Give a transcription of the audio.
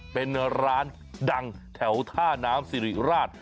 เป็นร้านดังแถวท่าน้ำสิริราช